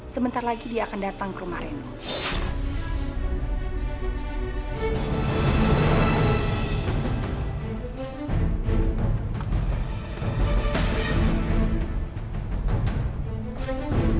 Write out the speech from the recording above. sebentar lagi dia akan datang ke rumah reno